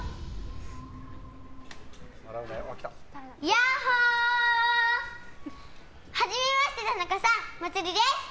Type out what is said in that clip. やっほー！はじめまして、田中さんまつりです！